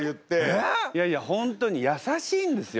いやいや本当に優しいんですよ